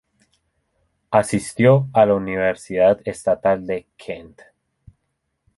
Asistió a la Universidad estatal Kent.